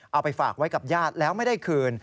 เอาไปฝากไว้กับญาติแล้วไม่ได้คืน